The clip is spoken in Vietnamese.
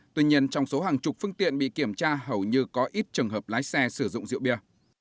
tuy nhiên trong số hàng chục phương tiện bị kiểm tra hầu như có ít trường hợp lái xe sử dụng rượu bia